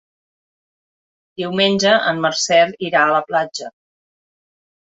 Diumenge en Marcel irà a la platja.